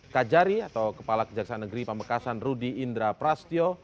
kajari atau kepala kejaksaan negeri pamekasan rudy indra prastyo